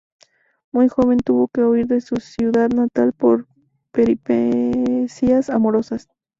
Muy joven tuvo que huir de su ciudad natal por peripecias amorosas.